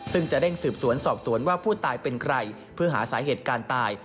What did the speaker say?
ซึ่งจะเร่งสืบสวนสอบสวนว่าผู้ตายเป็นใครเพื่อหาสาเหตุการณ์ตาย